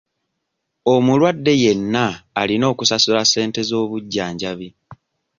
Omulwadde yenna alina okusasula ssente z'obujjanjabi.